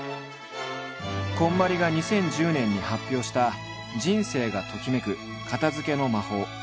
こんまりが２０１０年に発表した「人生がときめく片づけの魔法」。